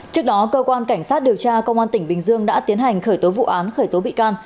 trước đó cơ quan cảnh sát điều tra công an tỉnh bình dương đã tiến hành khởi tố vụ án khởi tố bị can